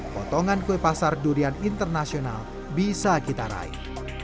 potongan kue pasar durian internasional bisa kita raih